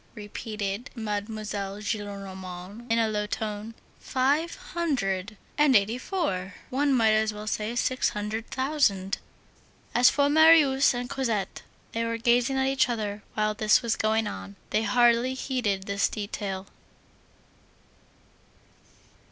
repeated Mademoiselle Gillenormand, in a low tone. "Five hundred and eighty four! one might as well say six hundred thousand!" As for Marius and Cosette, they were gazing at each other while this was going on; they hardly heeded this detail.